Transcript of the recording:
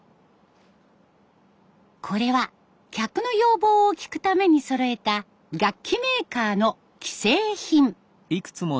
これは客の要望を聞くためにそろえた楽器メーカーの既製品。